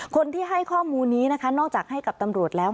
คนที่ให้ข้อมูลนี้นะคะนอกจากให้กับตำรวจแล้ว